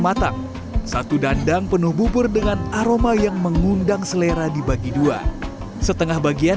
matang satu dandang penuh bubur dengan aroma yang mengundang selera dibagi dua setengah bagian